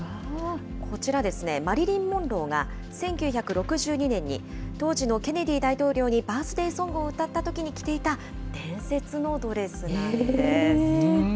こちら、マリリン・モンローが、１９６２年に当時のケネディ大統領にバースデーソングを歌ったときに着ていた伝説のドレスなんです。